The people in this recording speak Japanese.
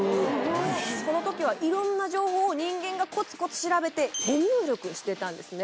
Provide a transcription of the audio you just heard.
その時はいろんな情報を人間がコツコツ調べて手入力してたんですね。